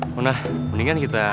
mona mendingan kita